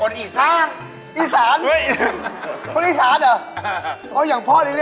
พี่ข้ายภาพพี่จะดื่มดู